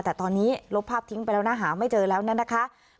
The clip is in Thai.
แต่ตอนนี้ลบภาพทิ้งไปแล้วนะหาไม่เจอแล้วนะคะ